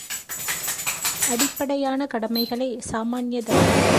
அடிப்படையான கடமைகளே சாமான்ய தர்மங்கள்.